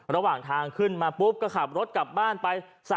ระหว่างทางขึ้นมาปุ๊บก็ขับรถกลับบ้านไป